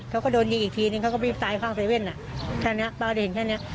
เขาก็โดนดีอีกทีนึงเขาก็วิ่งไปซ้ายข้างเซเว่นแค่เนี้ยป้าได้เห็นแค่เนี้ย